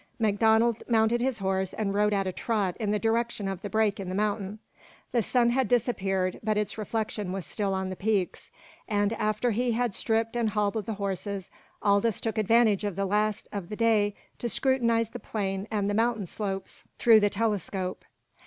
MacDonald mounted his horse and rode at a trot in the direction of the break in the mountain. The sun had disappeared, but its reflection was still on the peaks; and after he had stripped and hobbled the horses Aldous took advantage of the last of day to scrutinize the plain and the mountain slopes through the telescope.